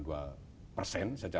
dan yang lebih pentingnya